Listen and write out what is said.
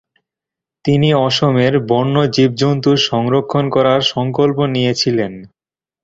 তিনি অসমের বন্য জীব-জন্তু সংরক্ষন করার সংকল্প নিয়েছিলেন।